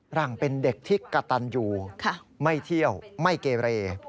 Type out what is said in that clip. หลังเป็นเด็กที่กระตันอยู่ไม่เที่ยวไม่เกเร